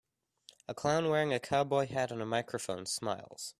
A clown wearing a cowboy hat and a microphone smiles.